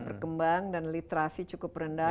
berkembang dan literasi cukup rendah